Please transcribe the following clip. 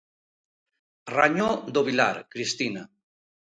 Rañó do Vilar, Cristina.